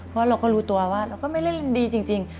เพราะเราก็รู้ตัวว่าเราก็ไม่เล่นดีจริง